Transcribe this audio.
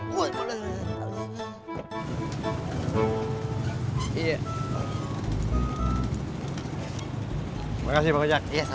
terima kasih pak ojek